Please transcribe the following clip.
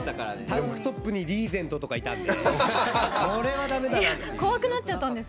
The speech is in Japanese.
タンクトップにリーゼントとかいたので。